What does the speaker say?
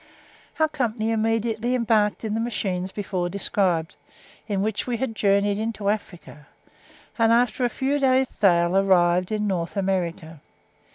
Our company immediately embarked in the machines before described, in which we had journeyed into Africa, and after a few days' sail arrived in North America.